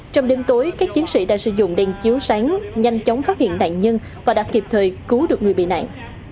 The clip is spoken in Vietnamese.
trong đêm tối các chiến sĩ đã sử dụng đèn chiếu sáng nhanh chóng phát hiện nạn nhân và đã kịp thời cứu được người bị nạn